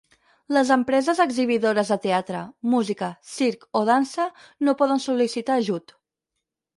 Les empreses exhibidores de teatre, música, circ o dansa no poden sol·licitar ajut.